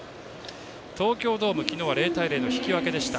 東京ドーム昨日は０対０の引き分けでした。